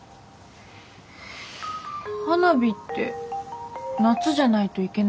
花火って夏じゃないといけないんですか？